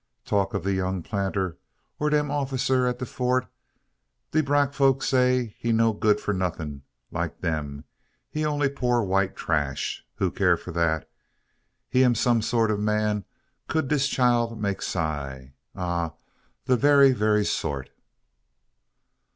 Talk ob de young planter, or dem officer at de Fort! De brack folk say he no good for nuffin, like dem he only poor white trash. Who care fo' dat? He am de sort ob man could dis chile make sigh. Ah! de berry, berry sort!"